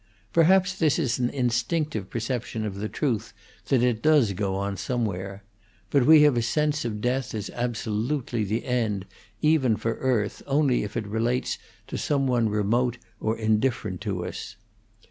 Perhaps this is an instinctive perception of the truth that it does go on somewhere; but we have a sense of death as absolutely the end even for earth only if it relates to some one remote or indifferent to us.